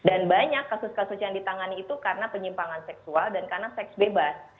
dan banyak kasus kasus yang ditangani itu karena penyimpangan seksual dan karena seks bebas